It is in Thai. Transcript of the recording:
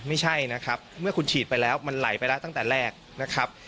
ไม่ใช่นะครับเมื่อคุณฉีดไปแล้วมันไหลไปแล้วตั้งแต่แรกนะครับ